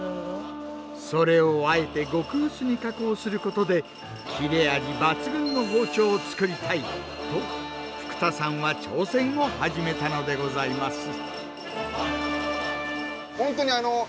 それをあえて極薄に加工することで切れ味バツグンの包丁を作りたい！と福田さんは挑戦を始めたのでございます。